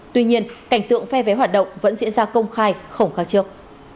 tuy nhiên cảnh tượng phe vé hoạt động vẫn diễn ra công khai không khác trước